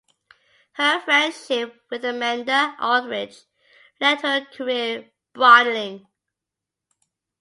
Her friendship with Amanda Aldridge led to her career broadening.